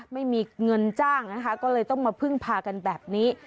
ไม่มีเงินจ้างนะคะก็เลยต้องมาพึ่งพากันแบบนี้